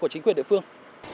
của chính quyền địa phương